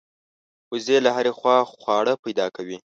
وزې له هرې خوا خواړه پیدا کوي